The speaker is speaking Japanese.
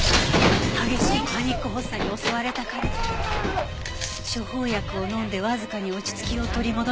激しいパニック発作に襲われた彼は処方薬を飲んでわずかに落ち着きを取り戻したものの。